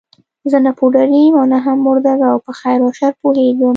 زه نه پوډري یم او نه هم مرده ګو، په خیر او شر پوهېږم.